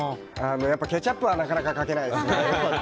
ケチャップはなかなか、かけないですね。